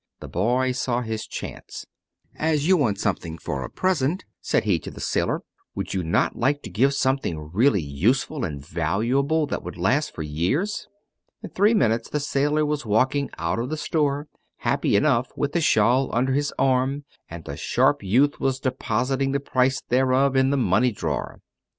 The boy saw his chance. "As you want something for a present," said he to the sailor, "would you not like to give something really useful and valuable that would last for years?" In three minutes the sailor was walking out of the store, happy enough, with the shawl under his arm, and the sharp youth was depositing the price thereof in the money drawer.